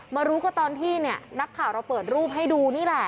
มารู้ก็ตอนที่เนี่ยนักข่าวเราเปิดรูปให้ดูนี่แหละ